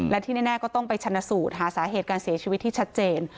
และที่แน่ก็ต้องไปชนะสูตรหาสาเหตุการเสียชีวิตที่ชัดเจน